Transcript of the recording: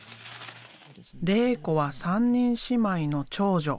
れい子は３人姉妹の長女。